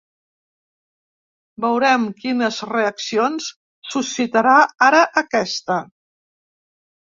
Veurem quines reaccions suscitarà ara aquesta.